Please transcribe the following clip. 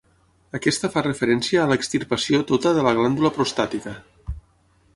Aquesta fa referència a l'extirpació tota de la glàndula prostàtica.